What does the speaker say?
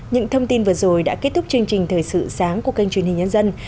những thông tin vừa rồi đã kết thúc chương trình thời sự sáng của kênh truyền hình nhân dân